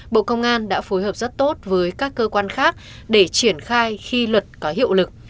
bộ công an đã phối hợp rất tốt với các cơ quan khác để triển khai khi luật có hiệu lực